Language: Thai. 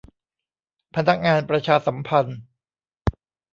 พนักงานประชาสัมพันธ์